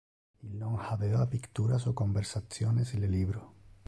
Il non habeva picturas o conversationes in le libro.